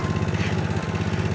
sama lebaran ya bang